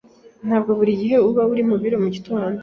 Ntabwo buri gihe ari mubiro mugitondo.